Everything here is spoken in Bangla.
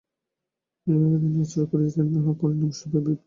বিভাকে তিনি আশ্রয় করিয়াছেন, তাহার পরিণামস্বরূপে বিভার অদৃষ্টে কী আছে কে জানে।